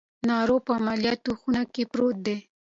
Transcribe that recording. ناروغ په عملیاتو خونه کې پروت دی.